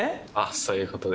そういうことです。